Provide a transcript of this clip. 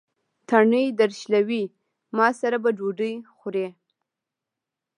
تڼۍ درشلوي: ما سره به ډوډۍ خورې.